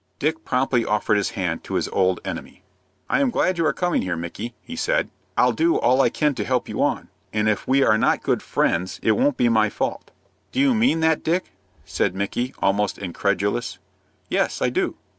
Dick promptly offered his hand to his old enemy. "I am glad you are coming here, Micky," he said "I'll do all I can to help you on, and if we are not good friends it won't be my fault." "Do you mean that, Dick?" said Micky, almost incredulous. "Yes, I do."